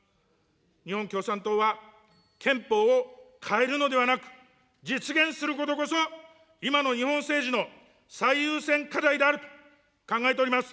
日本共産党は、憲法を変えるのではなく、実現することこそ、今の日本政治の最優先課題であると考えております。